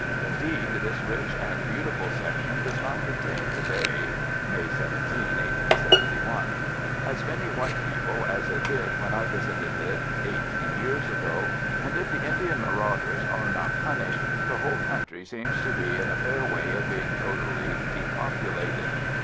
Indeed, this rich and beautiful section does not contain, today (May 17, 1871), as many white people as it did when I visited it eighteen years ago, and if the Indian marauders are not punished, the whole country seems to be in a fair way of being totally depopulated."